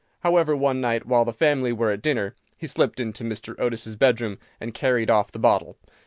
However, one night, while the family were at dinner, he slipped into Mr. Otis's bedroom and carried off the bottle.